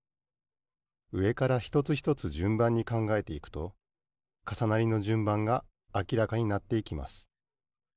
うえからひとつひとつじゅんばんにかんがえていくとかさなりのじゅんばんがあきらかになっていきます